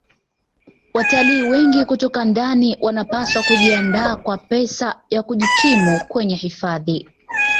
Watalii wengi kutoka ndani wanapaswa kujiandaa kwa pesa ya kujikimu kwenye hifadhi